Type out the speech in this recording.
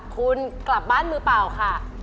คุณกลับบ้านมือเปล่าค่ะ